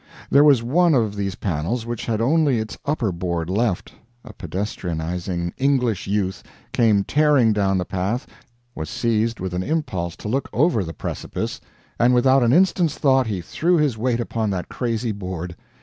There was one of these panels which had only its upper board left; a pedestrianizing English youth came tearing down the path, was seized with an impulse to look over the precipice, and without an instant's thought he threw his weight upon that crazy board.